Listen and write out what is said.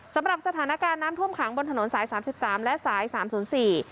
สำหรับสถานการณ์น้ำท่วมขังบนถนนสายสามสิบสามและสายสามศูนย์สี่